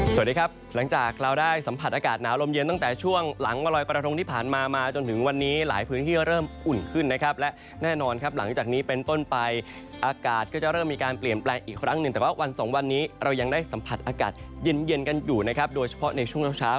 สวัสดีครับหลังจากเราได้สัมผัสอากาศหนาวลมเย็นตั้งแต่ช่วงหลังลอยกระทงที่ผ่านมามาจนถึงวันนี้หลายพื้นที่เริ่มอุ่นขึ้นนะครับและแน่นอนครับหลังจากนี้เป็นต้นไปอากาศก็จะเริ่มมีการเปลี่ยนแปลงอีกครั้งหนึ่งแต่ว่าวันสองวันนี้เรายังได้สัมผัสอากาศเย็นเย็นกันอยู่นะครับโดยเฉพาะในช่วงเช้า